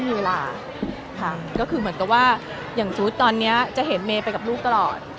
มีเวลาค่ะก็คือเหมือนกับว่าอย่างสมมุติตอนนี้จะเห็นเมย์ไปกับลูกตลอด